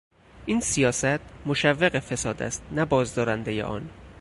این سیاست مشوق فساد است نه بازدارندهی آن.